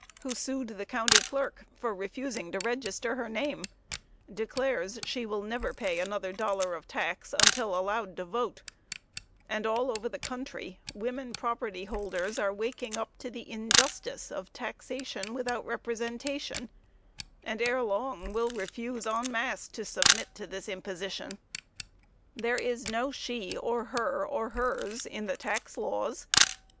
who sued the County Clerk for refusing to register her name, declares she will never pay another dollar of tax until allowed to vote; and all over the country, women property holders are waking up to the injustice of taxation without representation, and ere long will refuse, en masse, to submit to the imposition. There is no she, or her, or hers, in the tax laws.